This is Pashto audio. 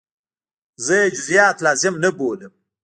زه یې جزئیات لازم نه بولم.